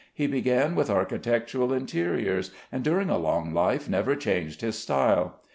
He began with architectural interiors, and during a long life never changed his style.